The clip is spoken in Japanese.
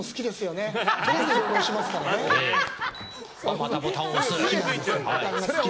またボタンを押す。